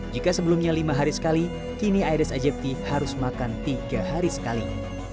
jika sebelumnya lima hari sekali kini aedes aegypti harus makan tiga hari sekali